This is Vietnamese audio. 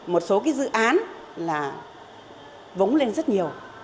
một số cái dự án là vống lên rất nhiều